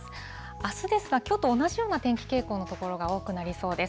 あすですが、きょうと同じような天気傾向の所が多くなりそうです。